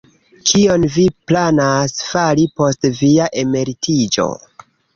Kion vi planas fari post via emeritiĝo?